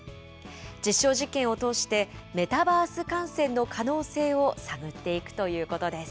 実証実験を通して、メタバース観戦の可能性を探っていくということです。